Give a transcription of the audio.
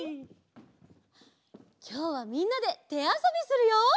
きょうはみんなでてあそびするよ！